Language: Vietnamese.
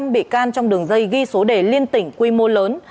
một mươi năm bị can trong đường dây ghi số đề liên tỉnh quy mô lớn